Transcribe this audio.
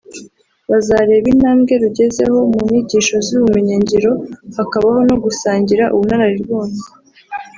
bazareba intambwe rugezeho mu nyigisho z’ubumenyingiro hakabaho no gusangira ubunararibonye